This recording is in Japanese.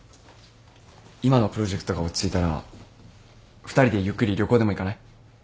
今のプロジェクトが落ち着いたら２人でゆっくり旅行でも行かない？